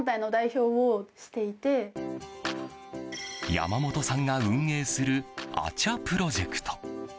山本さんが運営するＡＣＨＡプロジェクト。